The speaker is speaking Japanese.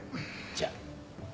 じゃあ。